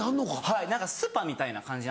はいスパみたいな感じ。